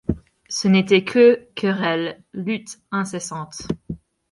Ce n’était que querelles, luttes incessantes.